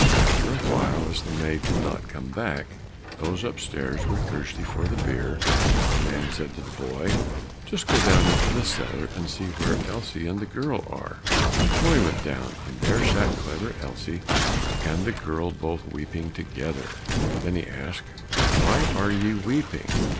After a while, as the maid did not come back, those upstairs were thirsty for the beer, the man said to the boy, "Just go down into the cellar and see where Elsie and the girl are." The boy went down, and there sat Clever Elsie and the girl both weeping together. Then he asked, "Why are ye weeping?"